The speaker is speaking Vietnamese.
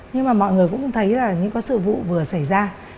nhưng mà mọi người cũng thấy là những có sự vụ vừa xảy ra